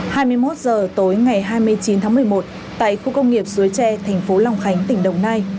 hai mươi một h tối ngày hai mươi chín tháng một mươi một tại khu công nghiệp suối tre thành phố long khánh tỉnh đồng nai